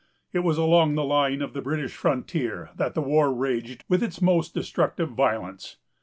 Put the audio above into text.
It was along the line of the British frontier that the war raged with its most destructive violence.